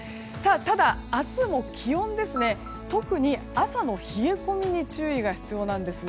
ただ明日も気温特に朝の冷え込みに注意が必要なんです。